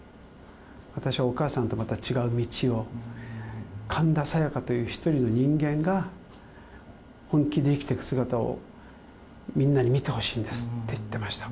私はお母さんとまた違う道を、神田沙也加という一人の人間が、本気で生きてく姿をみんなに見てほしいんですって言ってました。